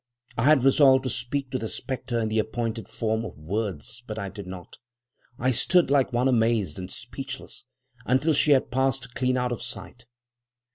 I had resolved to speak to the spectre in the appointed form of words, but I did not. I stood like one amazed and speechless, until she had passed clean out of sight.